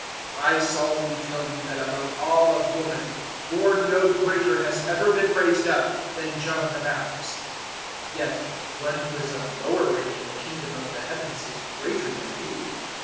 011:011 "I solemnly tell you that among all of woman born no greater has ever been raised up than John the Baptist; yet one who is of lower rank in the Kingdom of the Heavens is greater than he.